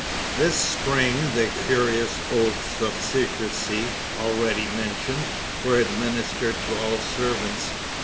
This spring the curious oaths of secrecy, already mentioned, were administered to all servants.